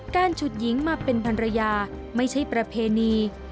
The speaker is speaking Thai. ฉุดหญิงมาเป็นพันรยาไม่ใช่ประเพณี